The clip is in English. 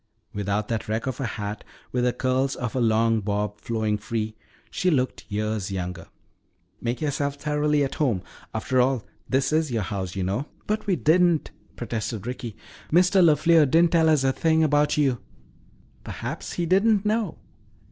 Without that wreck of a hat, with the curls of her long bob flowing free, she looked years younger. "Make yourselves thoroughly at home. After all, this is your house, you know." "But we didn't," protested Ricky. "Mr. LeFleur didn't tell us a thing about you." "Perhaps he didn't know."